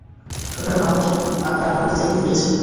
এখানে ভালোবাসা ম্যানি আর তার নানীর থেকেই পেয়েছি।